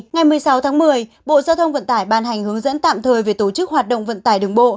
ngày một mươi sáu tháng một mươi bộ giao thông vận tải ban hành hướng dẫn tạm thời về tổ chức hoạt động vận tải đường bộ